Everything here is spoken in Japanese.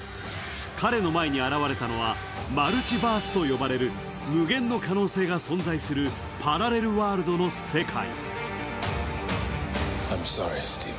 彼の前に現れたのは、マルチバースと呼ばれる無限の可能性が存在する、パラレルワールドの世界。